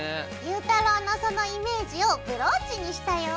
ゆうたろうのそのイメージをブローチにしたよ。